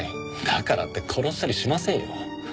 だからって殺したりしませんよ。